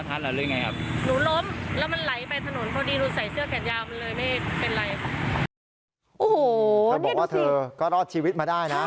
เธอบอกว่าเธอก็รอดชีวิตมาได้นะ